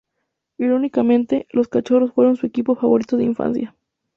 Irónicamente, los Cachorros fueron su equipo favorito de infancia.